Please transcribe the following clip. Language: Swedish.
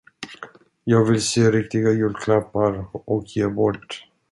Jag vill sy riktiga julklappar och ge bort.